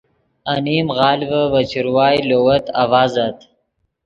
انیم غالڤے ڤے چروائے لووت آڤازت